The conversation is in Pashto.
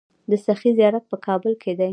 د سخي زیارت په کابل کې دی